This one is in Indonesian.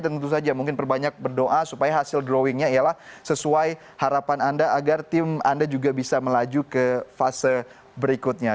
dan tentu saja mungkin berbanyak berdoa supaya hasil drawingnya ialah sesuai harapan anda agar tim anda juga bisa melaju ke fase berikutnya